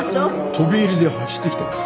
飛び入りで走ってきたんです。